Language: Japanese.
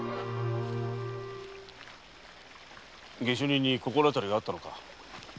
下手人に心当たりがあったのか？